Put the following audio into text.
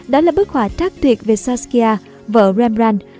đó là bức họa trác tuyệt về saskia vợ rambran